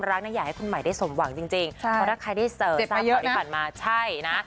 รักอยากให้คุณใหม่ได้สมหวังจริงถ้าใครได้เสิร์ชมาใช่นะ